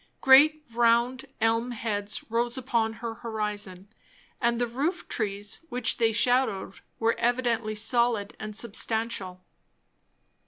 Great round elm heads rose upon her horizon; and the roof trees which they shadowed were evidently solid and substantial.